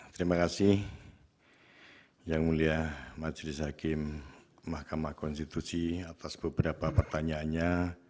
terima kasih yang mulia majelis hakim mahkamah konstitusi atas beberapa pertanyaannya